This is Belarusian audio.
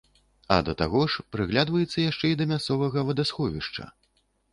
А да таго ж прыглядваецца яшчэ і да мясцовага вадасховішча.